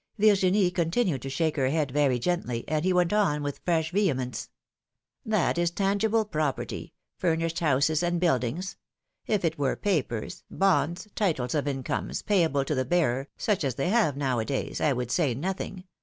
Virginie continued to shake her head very gently, and he went on, with fresh vehemence: That is tangible property, furnished houses and build ings ! If it were papers — bonds, titles of incomes, pay able to the bearer — such as they have nowadays, I would say nothing